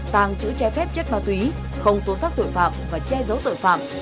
tàng chữ che phép chất ma túy không tố xác tội phạm và che giấu tội phạm